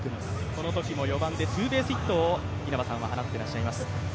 このときも４番でツーベースヒットを稲葉さんは放っています。